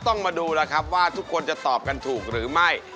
ต้องมาดูแล้วครับว่าทุกคนจะตอบกันถูกหรือไม่